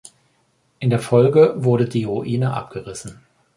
In der Folge wurde die Ruine abgerissen.